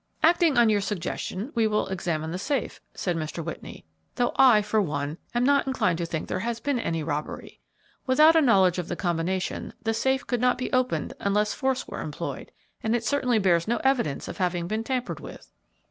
"Acting on your suggestion, we will examine the safe," said Mr. Whitney; "though I, for one, am not inclined to think there has been any robbery. Without a knowledge of the combination, the safe could not be opened unless force were employed; and it certainly bears no evidence of having been tampered with."